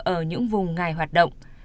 ở những vùng ngài hoạt động